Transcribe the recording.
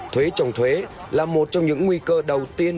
thuế trồng thuế là một trong những nguy cơ đầu tiên